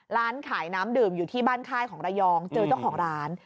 ร้านขายน้ำดื่มอยู่ที่บ้านค่ายของระยองเจอเจ้าของร้าน